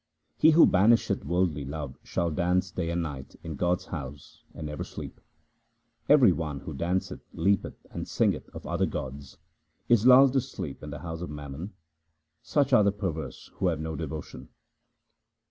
He who banisheth worldly love shall dance day and night in God's house and never sleep. Every one who danceth, leapeth, and singeth of other gods, is lulled to sleep in the house of mammon ; such are the perverse who have no devotion.